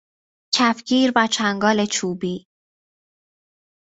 کفگیر و چنگال چوبی